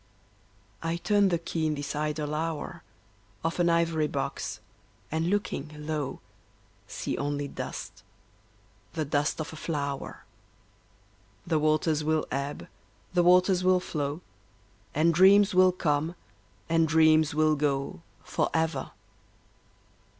I turn the key in this idle hour Of an ivory box, and looking, lo See only dust the dust of a flower; The waters will ebb, the waters will flow, And dreams will come, and dreams will go, Forever.